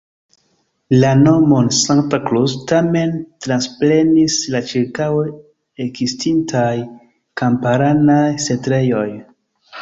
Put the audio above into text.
La nomon "Santa Cruz" tamen transprenis la ĉirkaŭe ekestintaj kamparanaj setlejoj.